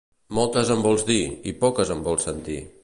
Moltes en vols dir i poques en vols sentir.